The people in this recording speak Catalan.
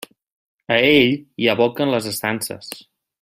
A ell hi aboquen les estances.